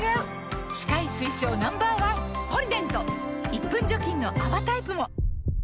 １分除菌の泡タイプも！